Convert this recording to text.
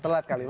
telat kali bang